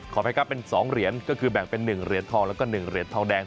ไปครับเป็น๒เหรียญก็คือแบ่งเป็น๑เหรียญทองแล้วก็๑เหรียญทองแดง